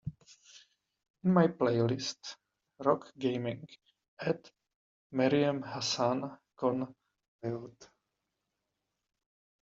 In my playlist Rock Gaming add Mariem Hassan con Leyoad